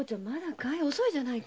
遅いじゃないか。